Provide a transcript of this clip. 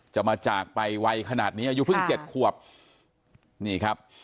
จะมาจากไปไวขนาดนี้อายุเพิ่งเจ็ดขวบนี่ครับ